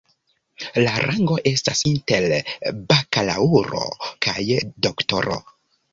La rango estas inter bakalaŭro kaj doktoro.